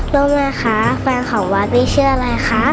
ว่าไงคะแฟนของวัดวิชื่ออะไรแหละครับ